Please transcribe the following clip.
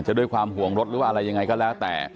ด้วยความห่วงรถหรือว่าอะไรยังไงก็แล้วแต่